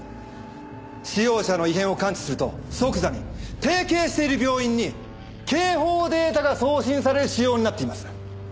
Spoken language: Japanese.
使用者の異変を感知すると即座に提携している病院に警報データが送信される仕様になっています。